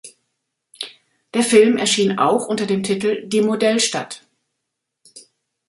Der Film erschien auch unter dem Titel Die Modellstadt.